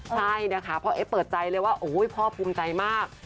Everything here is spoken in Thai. ใช่นะคะพ่อเอ๊เปิดใจเลยว่าพ่อภูมิใจมาก